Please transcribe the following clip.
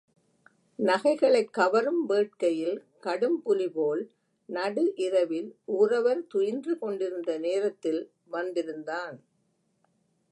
நகைகளைக் கவரும் வேட்கையில் கடும்புலிபோல் நடு இரவில் ஊரவர் துயின்று கொண்டிருந்த நேரத்தில் வந்திருந்தான்.